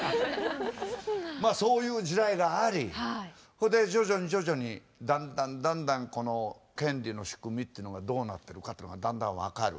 まあそういう時代がありそれで徐々に徐々にだんだんだんだんこの権利の仕組みっていうのがどうなってるかっていうのがだんだん分かる。